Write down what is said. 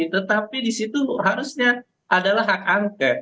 tetapi di situ harusnya adalah hak angket